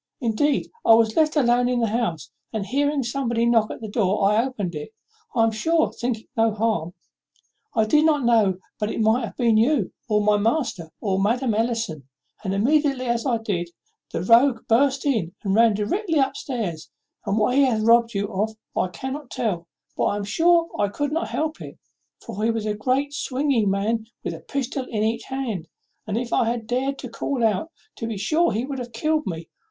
Indeed, I was left alone in the house; and, hearing somebody knock at the door, I opened it I am sure thinking no harm. I did not know but it might have been you, or my master, or Madam Ellison; and immediately as I did, the rogue burst in and ran directly up stairs, and what he hath robbed you of I cannot tell; but I am sure I could not help it, for he was a great swinging man with a pistol in each hand; and, if I had dared to call out, to be sure he would have killed me.